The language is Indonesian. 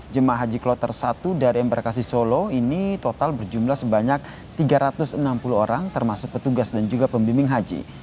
jemaah haji kloter satu dari embarkasi solo ini total berjumlah sebanyak tiga ratus enam puluh orang termasuk petugas dan juga pembimbing haji